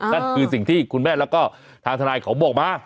นั่นคือสิ่งที่คุณแม่แล้วก็ทางทนายเขาบอกมา